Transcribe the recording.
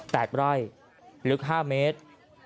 แตกไล่ลึก๕เมตร